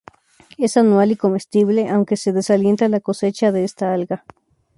Es anual, y comestible, aunque se desalienta la cosecha de esta alga.